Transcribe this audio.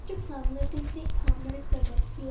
Plum lived in St. Paul, Minnesota, U.